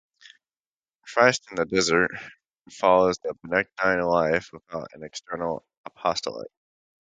Christ in the Desert follows the Benedictine life without an external apostolate.